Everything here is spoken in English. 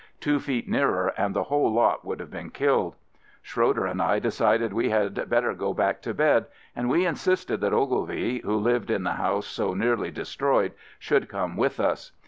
Two feet nearer and the whole lot would have been killed. Schroeder and I decided we had better go back to bed, and we insisted that Ogilvie (who lived in the house so nearly de stroyed) should come with us.